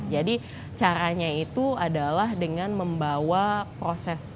jadi caranya itu adalah dengan membawa proses